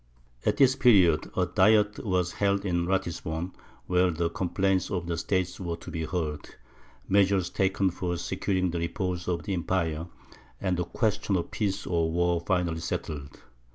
At this period, a diet was held in Ratisbon, where the complaints of the States were to be heard, measures taken for securing the repose of the Empire, and the question of peace or war finally settled.